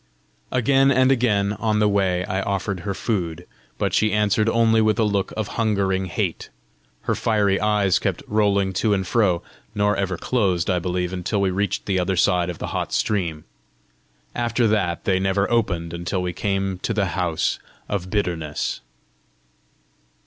Again and again, on the way, I offered her food; but she answered only with a look of hungering hate. Her fiery eyes kept rolling to and fro, nor ever closed, I believe, until we reached the other side of the hot stream. After that they never opened until we came to the House of Bitterness.